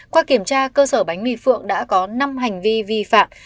qua kiểm tra cơ sở bánh mì phượng đã có năm hành vi vi phạm